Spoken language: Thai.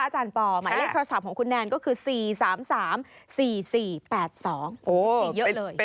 อาจารย์ป่อ